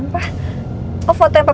terima kasih sudah nonton